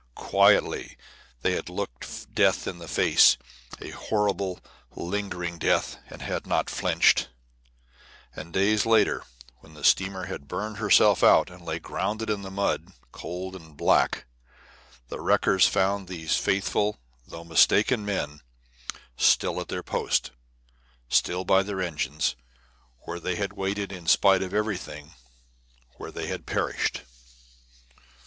Quietly they had looked death in the face, a horrible, lingering death, and had not flinched; and days later, when the steamer had burned herself out and lay grounded in the mud, cold and black, the wreckers found these faithful though mistaken men still at their posts, still by their engines, where they had waited in spite of everything where they had perished.